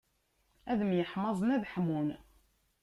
Ad myeḥmaẓen ad ḥmun.